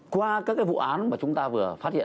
qua các vụ án mà chúng ta vừa phát hiện